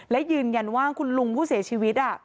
และยืนยันว่าคุณลุงผู้เสียชีวิต